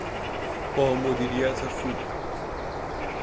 با مدیریت خوب